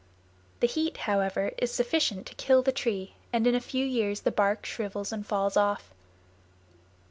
The heat, however, is sufficient to kill the tree and in a few years the bark shrivels and falls off.